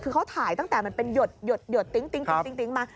คือเขาถ่ายตั้งแต่มันเป็นหยดติ๊งมา